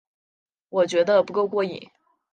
我觉得不够过瘾